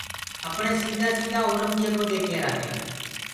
اپڻيٚ سيٚدآ سيٚدآ اورنٚگجيبو دي ڪيٚرآ ڪي